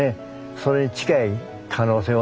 それに近い可能性をね